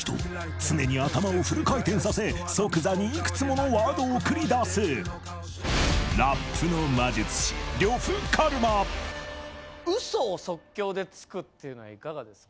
常に頭をフル回転させ即座にいくつものワードを繰り出す嘘を即興でつくっていうのはいかがですか？